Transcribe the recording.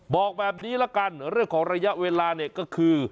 บอกแบบนี้ละกันเรื่องของระยะเวลาเนี่ยก็คือ